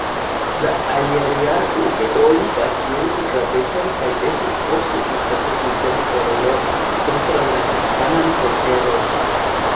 La ajljareŭe-oj akiris gravecon kaj estis ofte-uzata sistemo por lukti kontraŭ la hispanan konkeron.